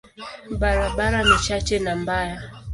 Barabara ni chache na mbaya.